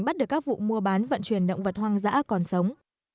bắt được các vụ mua bán vận chuyển động vật hoang dã còn sống